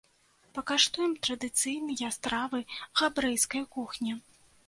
Пакаштуем традыцыйныя стравы габрэйскай кухні.